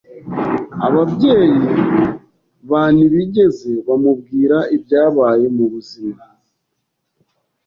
Ababyeyi ba ntibigeze bamubwira ibyabaye mubuzima.